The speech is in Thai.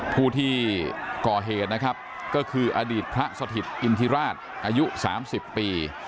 ผู้ที่ก่อเหตุนะครับก็คืออดีตพระสถิตอินทิราชอายุ๓๐ปี